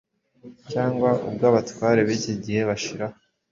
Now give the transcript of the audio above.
cyangwa ubw’abatware b’iki gihe bashiraho.